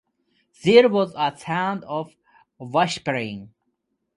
There was a sound of whispering.